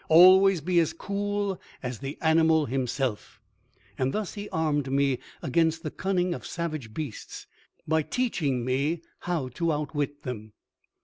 Always be as cool as the animal himself." Thus he armed me against the cunning of savage beasts by teaching me how to outwit them.